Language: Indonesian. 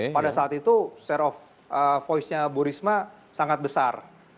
pada saat itu share of voice nya bu risma sangat besar